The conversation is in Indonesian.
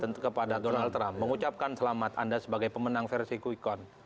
tentu kepada donald trump mengucapkan selamat anda sebagai pemenang versi quick count